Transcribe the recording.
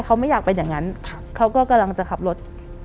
เขาไม่อยากเป็นอย่างนั้นเขาก็กำลังจะขับรถ